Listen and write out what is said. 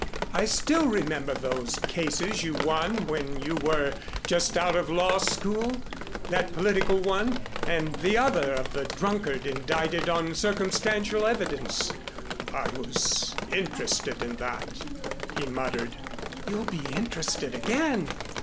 I still remember those cases you won when you were just out of law school that political one and the other of the drunkard indicted on circumstantial evidence " "I was interested in that," he muttered. "You'll be interested again.